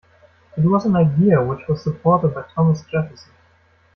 It was an idea which was supported by Thomas Jefferson.